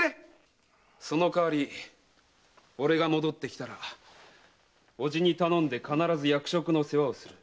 その代わり俺が戻ってきたら叔父に頼んで必ず役職の世話をする。